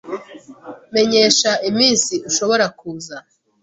Menyesha iminsi ushobora kuza.